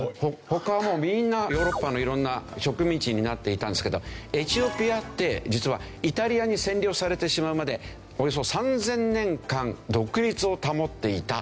他はみんなヨーロッパの色んな植民地になっていたんですけどエチオピアって実はイタリアに占領されてしまうまでおよそ３０００年間独立を保っていた。